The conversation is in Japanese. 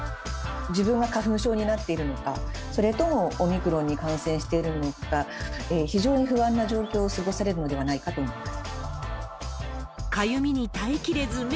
自分が花粉症になっているのか、それともオミクロンに感染しているのか、非常に不安な状況を過ごされるのではないかと思います。